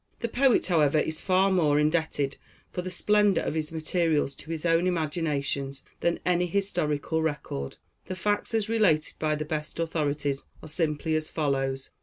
The poet, however, is far more indebted for the splendor of his materials to his own imagination, than any historical record. The facts, as related by the best authorities, are simply as follows.